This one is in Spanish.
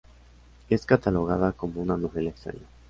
Es catalogada como una novela "extraña".